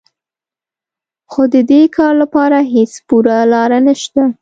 خو د دې کار لپاره هېڅ پوره لاره نهشته